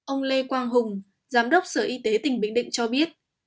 ông lê quang hùng giám đốc sở y tế tỉnh bình định cho biết